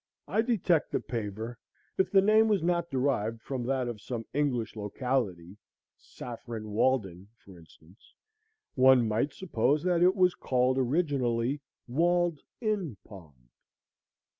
I detect the paver. If the name was not derived from that of some English locality,—Saffron Walden, for instance,—one might suppose that it was called originally Walled in Pond.